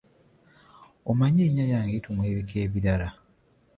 Omanyi erinnya lyange lituumwa ebika ebirala.